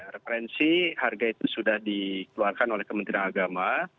referensi harga itu sudah dikeluarkan oleh kementerian agama